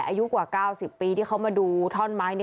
อายุกว่า๙๐ปีที่เขามาดูท่อนไม้นี้